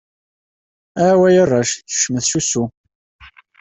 Ahaw ay arrac, kecmet s usu!